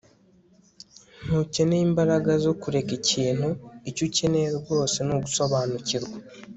ntukeneye imbaraga zo kureka ikintu. icyo ukeneye rwose ni ugusobanukirwa